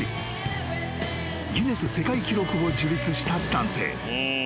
［ギネス世界記録を樹立した男性］